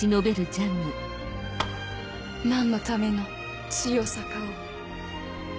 何のための強さかを。